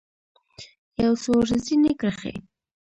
یو څو رزیني کرښې